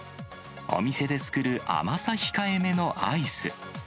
お店で作る甘さ控えめのアイス。